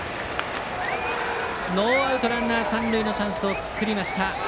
ノーアウトランナー三塁のチャンスを作りました。